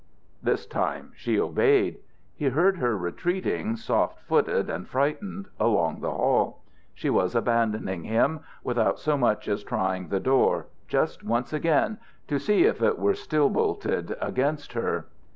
_" This time she obeyed. He heard her retreating, soft footed and frightened, along the hall. She was abandoning him without so much as trying the door, just once again, to see if it were still bolted against her.